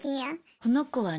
この子はね